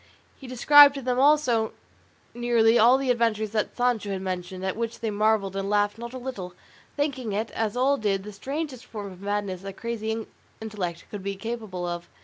He described to them also nearly all the adventures that Sancho had mentioned, at which they marvelled and laughed not a little, thinking it, as all did, the strangest form of madness a crazy intellect could be capable of.